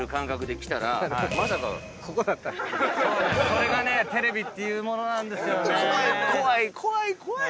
それがねテレビっていうものなんですよね。